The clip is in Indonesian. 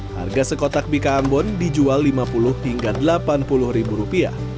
harga sekotak bika ambon dijual lima puluh hingga delapan puluh rupiah